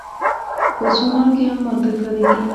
په سونا کې هم مالګه کارېږي.